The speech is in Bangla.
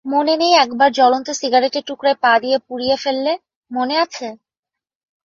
মনে নেই একবার জ্বলন্ত সিগারেটের টুকরায় পা দিয়ে পা পুড়িয়ে ফেললে, মনে আছে?